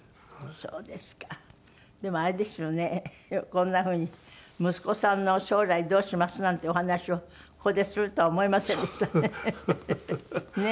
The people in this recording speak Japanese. こんなふうに息子さんの将来どうします？なんてお話をここでするとは思いませんでしたね。